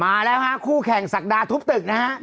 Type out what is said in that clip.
มาแล้วฮะคู่แข่งศักดาทุบตึกนะฮะ